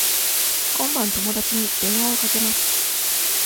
今晩友達に電話をかけます。